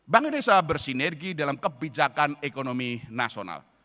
bank indonesia bersinergi dalam kebijakan ekonomi nasional